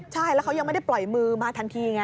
ใช่แล้วเขายังไม่ได้ปล่อยมือมาทันทีไง